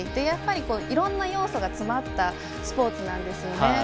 やっぱり、いろんな要素が詰まったスポーツなんですよね。